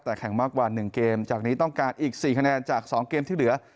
แต่แข่งมากกว่า๑เกมจากนี้ต้องการอีก๔คะแนนจาก๒เกมที่เหลือ